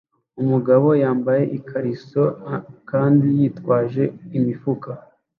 Umugabo yambaye ikariso kandi yitwaje imifuka